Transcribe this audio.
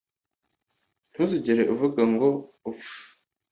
ntuzigere uvuga ngo upfe